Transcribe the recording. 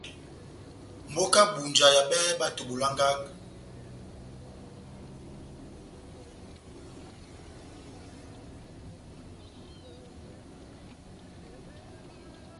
Mbóka ya Ebunja ehabɛndi bato bolangaka.